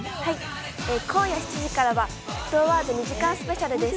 今夜７時からは『沸騰ワード』２時間スペシャルです。